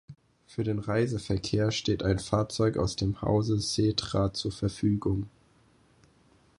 Für den Reiseverkehr steht ein Fahrzeug aus dem Hause Setra zur Verfügung.